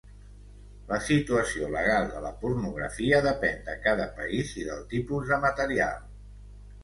La situació legal de la pornografia depèn de cada país i del tipus de material.